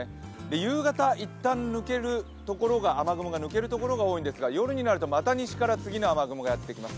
夕方一旦、雨雲が抜けるところが多いんですが夜になるとまた西から次の雨雲がやってきます。